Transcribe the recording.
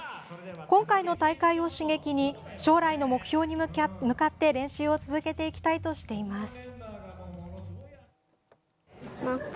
今回の大会を刺激に将来の目標に向かって練習を続けていきたいとしています。